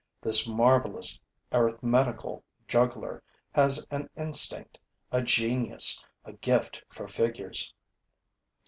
This marvelous arithmetical juggler has an instinct, a genius, a gift for figures.